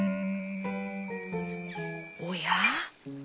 おや？